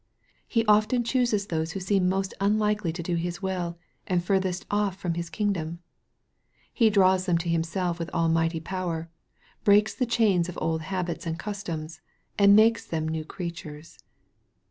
He often chooses those who seem most unlikely to do His will, and furthest off from His kingdom. He draws them to Himself with almighty power, breaks the chains of old habits and customs, and makes them new creatures.